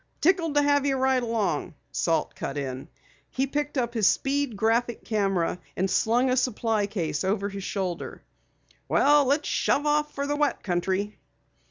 "Tickled to have you ride along," Salt cut in. He picked up his Speed Graphic camera and slung a supply case over his shoulder. "Well, let's shove off for the wet country."